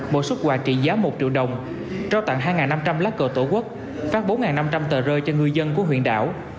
mỗi xuất quà trị giá một triệu đồng trao tặng hai năm trăm linh lá cờ tổ quốc phát bốn năm trăm linh tờ rơi cho người dân của huyện đảo